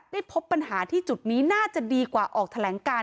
พบปัญหาที่จุดนี้น่าจะดีกว่าออกแถลงการ